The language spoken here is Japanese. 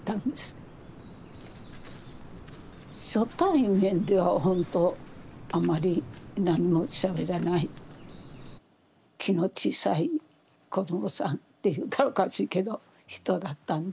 初対面では本当あまり何もしゃべらない気の小さい子どもさんっていったらおかしいけど人だったんで。